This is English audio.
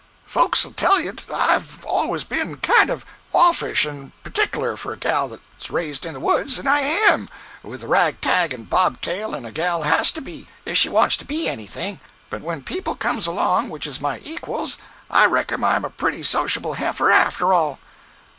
Folks'll tell you't I've always ben kind o' offish and partic'lar for a gal that's raised in the woods, and I am, with the rag tag and bob tail, and a gal has to be, if she wants to be anything, but when people comes along which is my equals, I reckon I'm a pretty sociable heifer after all."